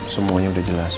semuanya udah jelas